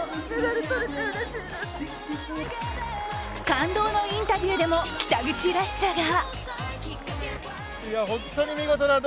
感動のインタビューでも北口らしさが。